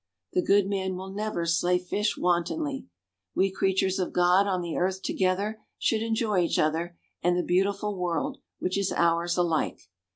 The good man will never slay fish wantonly. We creatures of God on the earth together should enjoy each other, and the beautiful world, which is ours alike.